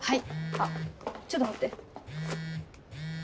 あっちょっと待って。